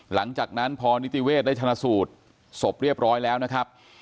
หลังจากนั้นพอนิติเวศได้ชนะสูตรศพเรียบร้อยแล้วนะครับ